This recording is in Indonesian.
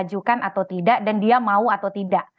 ajukan atau tidak dan dia mau atau tidak